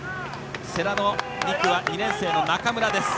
世羅の２区、２年生の中村です。